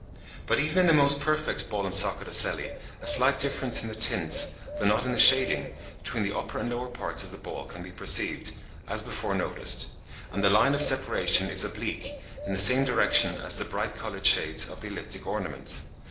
But even in the most perfect ball and socket ocelli a slight difference in the tints, though not in the shading, between the upper and lower parts of the ball can be perceived, as before noticed; and the line of separation is oblique, in the same direction as the bright coloured shades of the elliptic ornaments.